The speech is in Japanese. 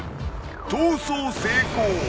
［逃走成功！］